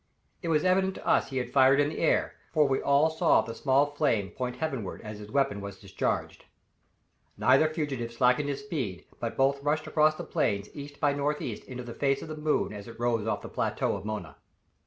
It was evident to us he had fired in the air, for we all saw the small flame point heavenward as his weapon was discharged. Neither fugitive slackened his speed, but both rushed across the plains east by northeast into the face of the moon as it rose off the plateau of Mona.